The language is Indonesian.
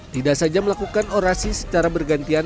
tidak saja melakukan orasi secara bergantian